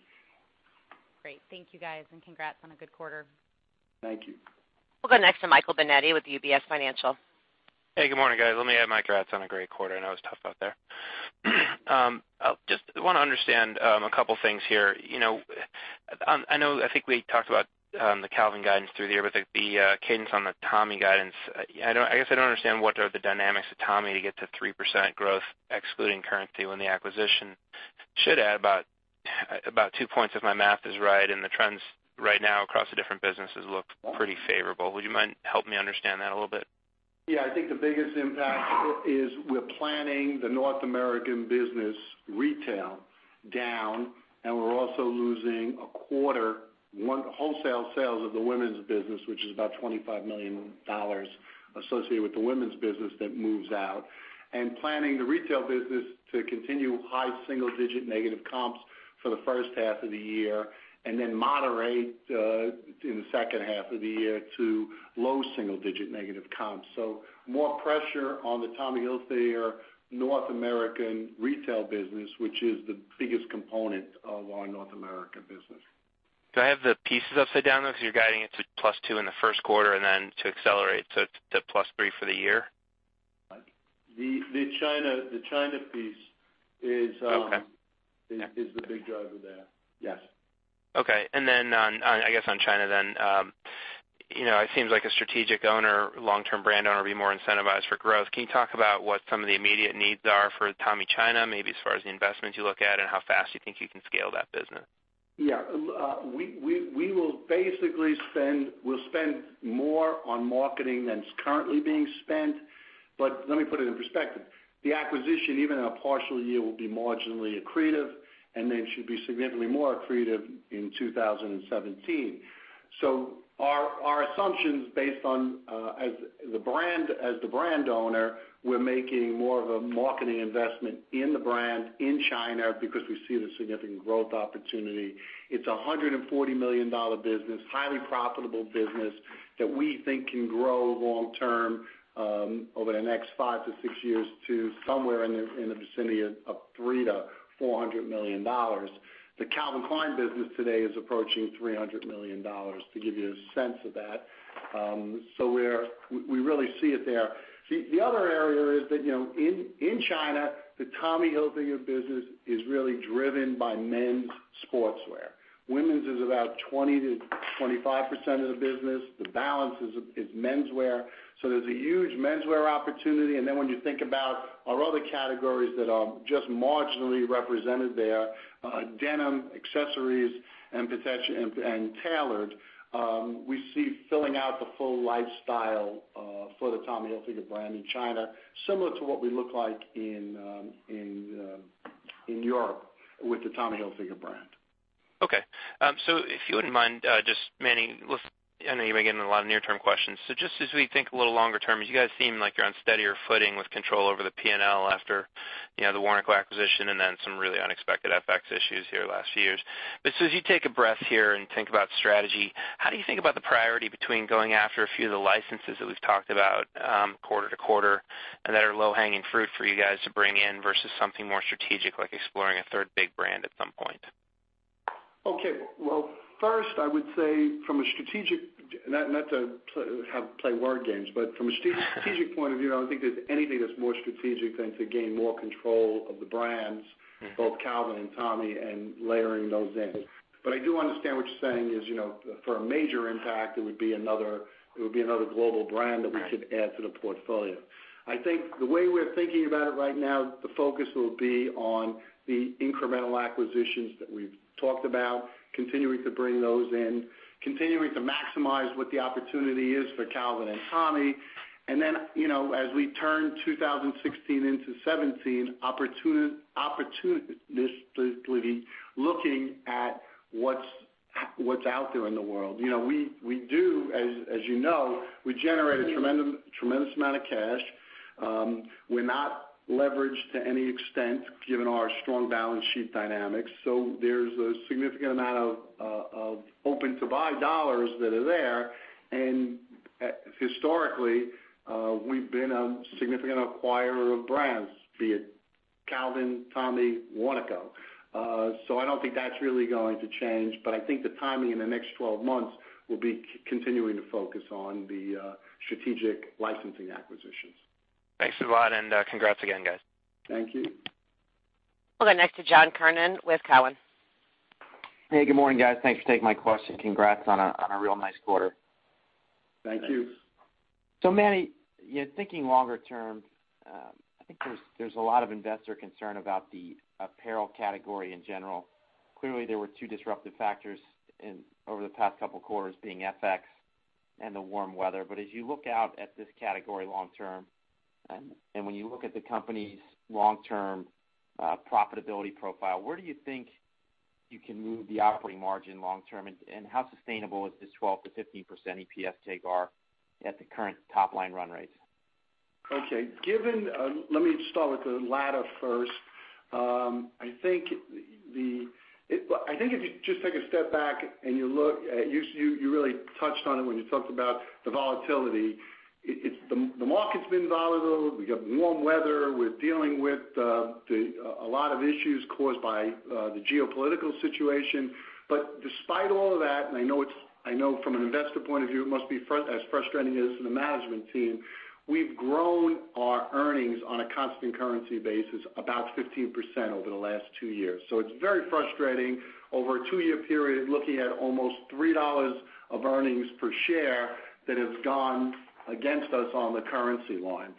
Great. Thank you guys, and congrats on a good quarter. Thank you. We'll go next to Michael Binetti with UBS. Hey, good morning, guys. Let me add my congrats on a great quarter. I know it was tough out there. Just want to understand a couple things here. I think we talked about the Calvin guidance through the year, but the cadence on the Tommy guidance, I guess I don't understand what are the dynamics of Tommy to get to 3% growth excluding currency when the acquisition should add about 2 points, if my math is right, and the trends right now across the different businesses look pretty favorable. Would you mind helping me understand that a little bit? Yeah. I think the biggest impact is we're planning the North American business retail down. We're also losing a quarter 1 wholesale sales of the women's business, which is about $25 million associated with the women's business that moves out. Planning the retail business to continue high single-digit negative comps for the first half of the year, then moderate in the second half of the year to low single-digit negative comps. More pressure on the Tommy Hilfiger North American retail business, which is the biggest component of our North America business. Do I have the pieces upside down, though, because you're guiding it to plus two in the first quarter and then to accelerate to plus three for the year? The China piece is. Okay Is the big driver there. Yes. Okay. I guess on China then, it seems like a strategic owner, long-term brand owner would be more incentivized for growth. Can you talk about what some of the immediate needs are for Tommy China, maybe as far as the investments you look at and how best you think you can scale that business? Yeah. We will basically spend more on marketing than is currently being spent. Let me put it in perspective. The acquisition, even in a partial year, will be marginally accretive and then should be significantly more accretive in 2017. Our assumption's based on, as the brand owner, we're making more of a marketing investment in the brand in China because we see the significant growth opportunity. It's a $140 million business, highly profitable business that we think can grow long term, over the next five to six years to somewhere in the vicinity of $300 million-$400 million. The Calvin Klein business today is approaching $300 million, to give you a sense of that. We really see it there. See, the other area is that, in China, the Tommy Hilfiger business is really driven by men's sportswear. Women's is about 20%-25% of the business. The balance is menswear. There's a huge menswear opportunity, when you think about our other categories that are just marginally represented there, denim, accessories, and tailored, we see filling out the full lifestyle for the Tommy Hilfiger brand in China, similar to what we look like in Europe with the Tommy Hilfiger brand. Okay. If you wouldn't mind, just Manny, I know you've been getting a lot of near-term questions. Just as we think a little longer term, as you guys seem like you're on steadier footing with control over the P&L after the Warnaco acquisition and then some really unexpected FX issues here the last few years. As you take a breath here and think about strategy, how do you think about the priority between going after a few of the licenses that we've talked about quarter to quarter and that are low-hanging fruit for you guys to bring in versus something more strategic, like exploring a third big brand at some point? Okay. Well, first, I would say from a strategic, not to play word games, but from a strategic point of view, I don't think there's anything that's more strategic than to gain more control of the brands, both Calvin and Tommy, and layering those in. I do understand what you're saying is, for a major impact, it would be another global brand that we should add to the portfolio. I think the way we're thinking about it right now, the focus will be on the incremental acquisitions that we've talked about, continuing to bring those in, continuing to maximize what the opportunity is for Calvin and Tommy. As we turn 2016 into 2017, opportunistically looking at what's out there in the world. We do, as you know, we generate a tremendous amount of cash. We're not leveraged to any extent given our strong balance sheet dynamics. There's a significant amount of open-to-buy dollars that are there, and historically, we've been a significant acquirer of brands, be it Calvin, Tommy, Warnaco. I don't think that's really going to change, but I think the timing in the next 12 months will be continuing to focus on the strategic licensing acquisitions. Thanks a lot and congrats again, guys. Thank you. We'll go next to John Kernan with Cowen. Hey, good morning, guys. Thanks for taking my question. Congrats on a real nice quarter. Thank you. Manny, thinking longer term, I think there's a lot of investor concern about the apparel category in general. Clearly, there were two disruptive factors over the past couple quarters being FX and the warm weather. As you look out at this category long-term, and when you look at the company's long-term profitability profile, where do you think you can move the operating margin long-term, and how sustainable is this 12%-15% EPS CAGR at the current top-line run rates? Okay. Let me start with the latter first. I think if you just take a step back and you look at, you really touched on it when you talked about the volatility. The market's been volatile. We got warm weather. We're dealing with a lot of issues caused by the geopolitical situation. Despite all of that, and I know from an investor point of view, it must be as frustrating as the management team, we've grown our earnings on a constant currency basis about 15% over the last two years. It's very frustrating over a two-year period, looking at almost $3 of earnings per share that has gone against us on the currency line.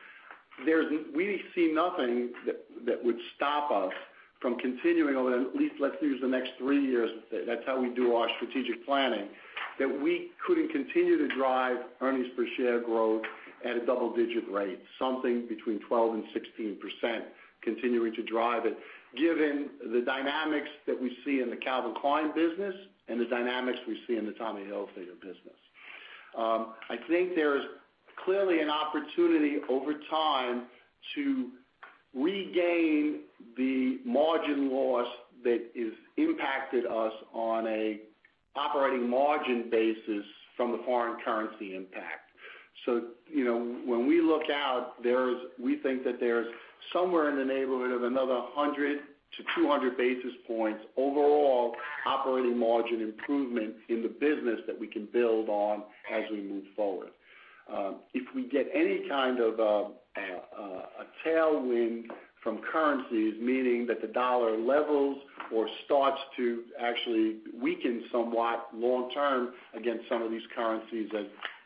We see nothing that would stop us from continuing on at least, let's use the next three years, that's how we do our strategic planning, that we couldn't continue to drive earnings per share growth at a double-digit rate, something between 12%-16%, continuing to drive it, given the dynamics that we see in the Calvin Klein business and the dynamics we see in the Tommy Hilfiger business. I think there's clearly an opportunity over time to regain the margin loss that has impacted us on an operating margin basis from the foreign currency impact. When we look out, we think that there's somewhere in the neighborhood of another 100-200 basis points overall operating margin improvement in the business that we can build on as we move forward. If we get any kind of a tailwind from currencies, meaning that the dollar levels or starts to actually weaken somewhat long-term against some of these currencies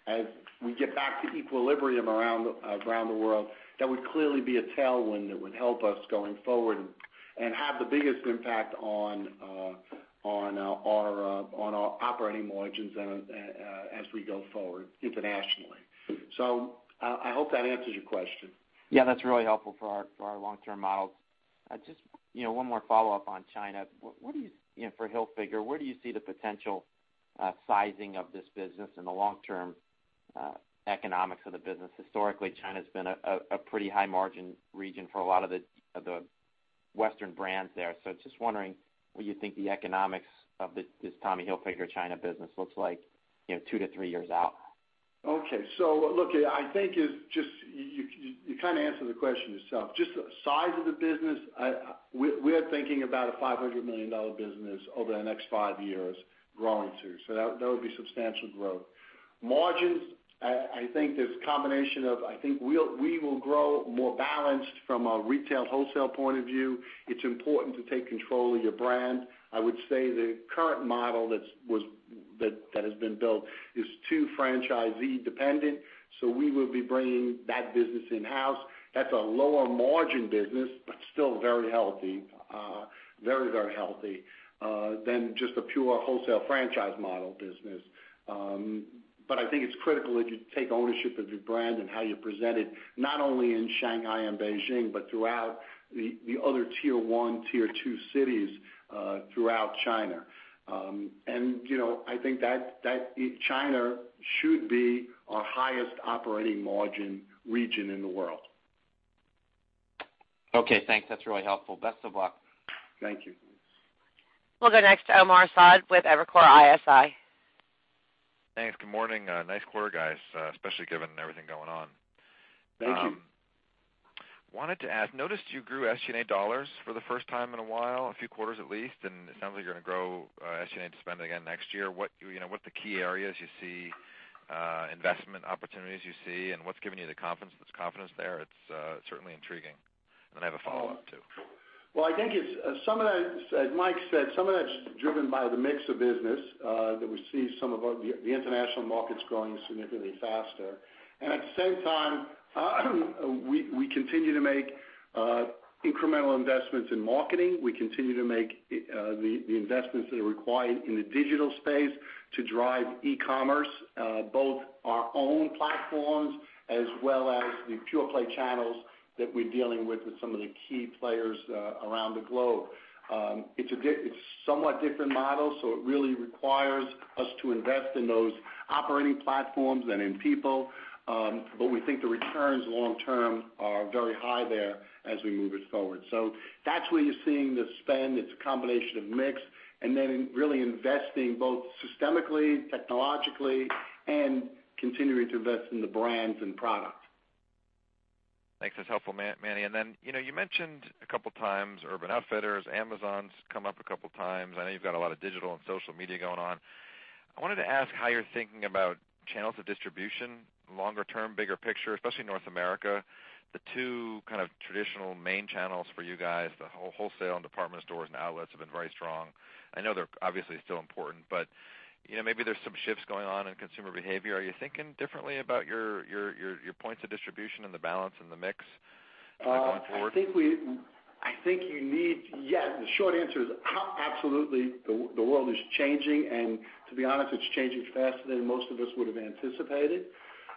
as we get back to equilibrium around the world, that would clearly be a tailwind that would help us going forward and have the biggest impact on our operating margins as we go forward internationally. I hope that answers your question. Yeah, that's really helpful for our long-term models. Just one more follow-up on China. For Hilfiger, where do you see the potential sizing of this business and the long-term economics of the business? Historically, China's been a pretty high margin region for a lot of the Western brands there. Just wondering what you think the economics of this Tommy Hilfiger China business looks like two to three years out. Okay. Look, I think you kind of answered the question yourself. Just the size of the business, we're thinking about a $500 million business over the next five years growing to. That would be substantial growth. Margins, I think there's a combination of, I think we will grow more balanced from a retail wholesale point of view. It's important to take control of your brand. I would say the current model that has been built is too franchisee dependent. We will be bringing that business in-house. That's a lower margin business, but still very healthy. Very, very healthy, than just a pure wholesale franchise model business. I think it's critical that you take ownership of your brand and how you present it, not only in Shanghai and Beijing, but throughout the other tier 1, tier 2 cities, throughout China. I think that China should be our highest operating margin region in the world. Okay, thanks. That's really helpful. Best of luck. Thank you. We'll go next to Omar Saad with Evercore ISI. Thanks. Good morning. Nice quarter, guys, especially given everything going on. Thank you. Wanted to ask, noticed you grew SG&A dollars for the first time in a while, a few quarters at least. It sounds like you're going to grow SG&A to spend again next year. What the key areas you see investment opportunities you see, and what's given you the confidence there? It's certainly intriguing. I have a follow-up, too. Well, as Mike said, some of that's driven by the mix of business, that we see some of the international markets growing significantly faster. At the same time, we continue to make incremental investments in marketing. We continue to make the investments that are required in the digital space to drive e-commerce, both our own platforms as well as the pure-play channels that we're dealing with some of the key players around the globe. It's a somewhat different model, it really requires us to invest in those operating platforms and in people. We think the returns long-term are very high there as we move it forward. That's where you're seeing the spend. It's a combination of mix and then really investing both systemically, technologically, and continuing to invest in the brands and product. Thanks. That's helpful, Manny. You mentioned a couple times Urban Outfitters, Amazon's come up a couple times. I know you've got a lot of digital and social media going on. I wanted to ask how you're thinking about channels of distribution longer term, bigger picture, especially North America. The two kind of traditional main channels for you guys, the wholesale and department stores and outlets have been very strong. I know they're obviously still important, maybe there's some shifts going on in consumer behavior. Are you thinking differently about your points of distribution and the balance in the mix going forward? The short answer is, absolutely, the world is changing, and to be honest, it's changing faster than most of us would've anticipated.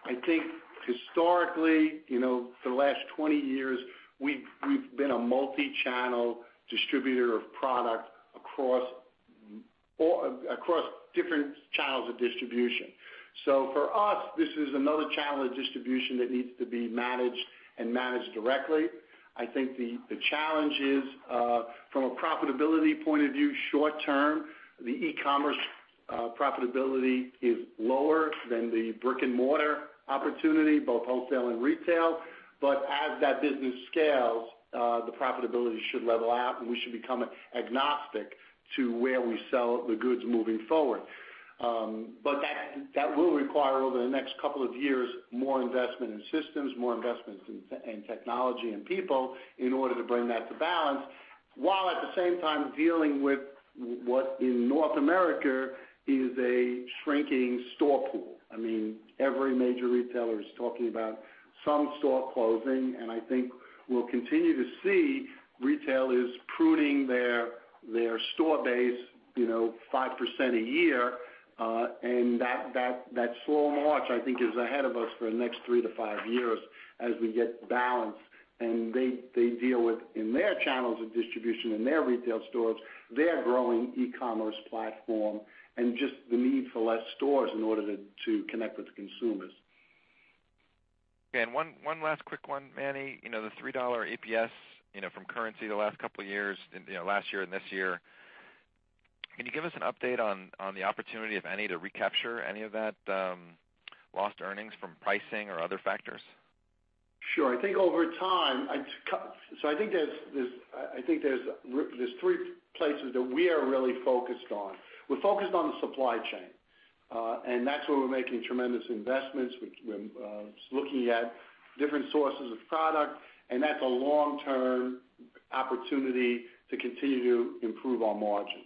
I think historically, for the last 20 years, we've been a multi-channel distributor of product across different channels of distribution. For us, this is another channel of distribution that needs to be managed and managed directly. I think the challenge is from a profitability point of view, short term, the e-commerce profitability is lower than the brick-and-mortar opportunity, both wholesale and retail. As that business scales, the profitability should level out, and we should become agnostic to where we sell the goods moving forward. That will require, over the next couple of years, more investment in systems, more investments in technology and people in order to bring that to balance, while at the same time dealing with what, in North America, is a shrinking store pool. Every major retailer is talking about some store closing, and I think we'll continue to see retailers pruning their store base 5% a year. That slow march, I think, is ahead of us for the next three to five years as we get balanced and they deal with, in their channels of distribution, in their retail stores, their growing e-commerce platform and just the need for less stores in order to connect with consumers. Okay. One last quick one, Manny. The $3 EPS from currency the last couple of years, last year and this year. Can you give us an update on the opportunity, if any, to recapture any of that lost earnings from pricing or other factors? Sure. I think over time, there's three places that we are really focused on. We're focused on the supply chain, and that's where we're making tremendous investments. We're looking at different sources of product, and that's a long-term opportunity to continue to improve our margin.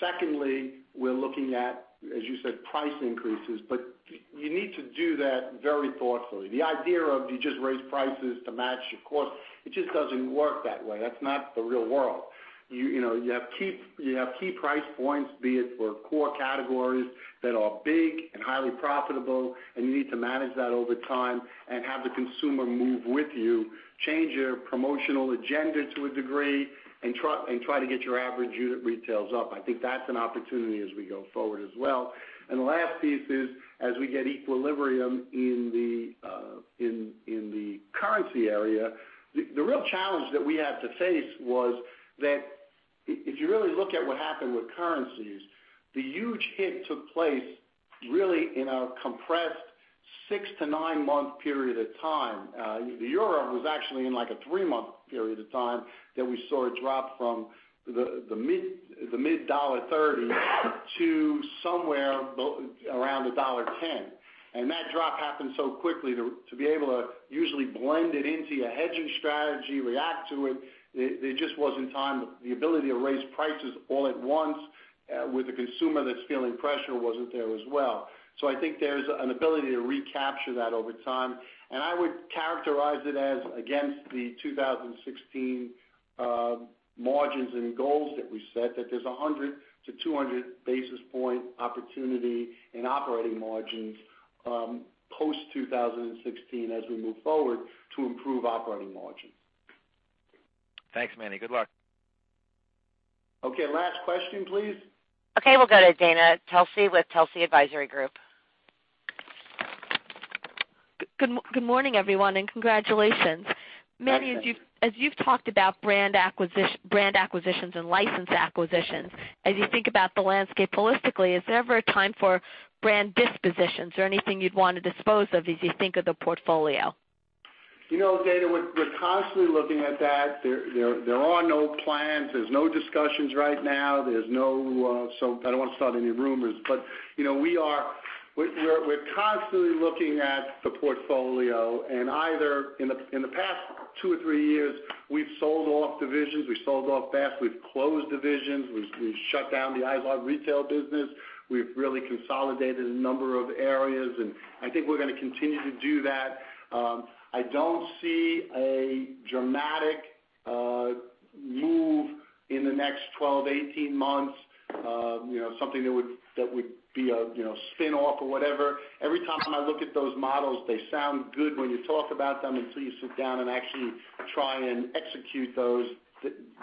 Secondly, we're looking at, as you said, price increases. You need to do that very thoughtfully. The idea of you just raise prices to match your cost, it just doesn't work that way. That's not the real world. You have key price points, be it for core categories that are big and highly profitable, and you need to manage that over time and have the consumer move with you, change your promotional agenda to a degree, and try to get your average unit retails up. I think that's an opportunity as we go forward as well. The last piece is as we get equilibrium in the currency area, the real challenge that we had to face was that if you really look at what happened with currencies, the huge hit took place really in a compressed six to nine-month period of time. The euro was actually in a three-month period of time that we saw it drop from the mid $1.30 to somewhere around $1.10. That drop happened so quickly to be able to usually blend it into your hedging strategy, react to it, there just wasn't time. The ability to raise prices all at once with a consumer that's feeling pressure wasn't there as well. I think there's an ability to recapture that over time, and I would characterize it as against the 2016 margins and goals that we set, that there's 100 to 200 basis point opportunity in operating margins post-2016 as we move forward to improve operating margins. Thanks, Manny. Good luck. Okay. Last question, please. Okay. We'll go to Dana Telsey with Telsey Advisory Group. Good morning, everyone, and congratulations. Thank you. Manny, as you've talked about brand acquisitions and license acquisitions, as you think about the landscape holistically, is there ever a time for brand dispositions or anything you'd want to dispose of as you think of the portfolio? Dana, we're constantly looking at that. There are no plans. There's no discussions right now. I don't want to start any rumors, but we're constantly looking at the portfolio. In the past two or three years, we've sold off divisions, we've sold off Bass, we've closed divisions, we've shut down the Izod retail business. We've really consolidated a number of areas, and I think we're going to continue to do that. I don't see a dramatic move in the next 12, 18 months, something that would be a spin-off or whatever. Every time I look at those models, they sound good when you talk about them until you sit down and actually try and execute those.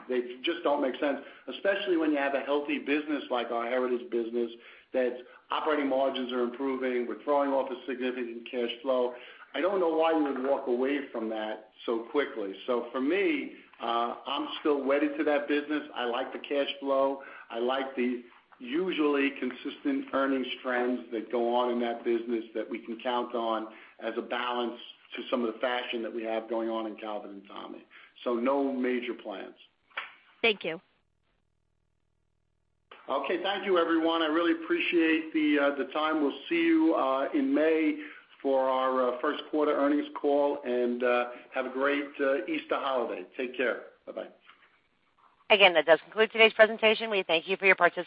They just don't make sense, especially when you have a healthy business like our Heritage business, that operating margins are improving. We're throwing off a significant cash flow. I don't know why you would walk away from that so quickly. For me, I'm still wedded to that business. I like the cash flow. I like the usually consistent earnings trends that go on in that business that we can count on as a balance to some of the fashion that we have going on in Calvin and Tommy. No major plans. Thank you. Okay. Thank you, everyone. I really appreciate the time. We'll see you in May for our first quarter earnings call. Have a great Easter holiday. Take care. Bye-bye. Again, that does conclude today's presentation. We thank you for your partici-